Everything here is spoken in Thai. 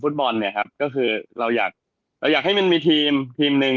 บอลเนี่ยครับก็คือเราอยากเราอยากให้มันมีทีมทีมหนึ่ง